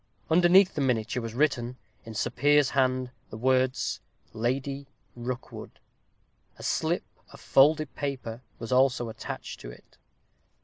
Underneath the miniature was written, in Sir Piers's hand, the words "Lady Rookwood." A slip of folded paper was also attached to it.